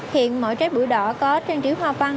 hiện mỗi trái bưởi đỏ có trang trí hoa văn